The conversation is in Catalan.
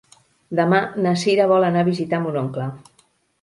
Demà na Sira vol anar a visitar mon oncle.